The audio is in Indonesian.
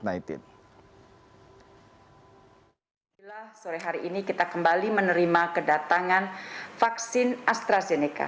bila sore hari ini kita kembali menerima kedatangan vaksin astrazeneca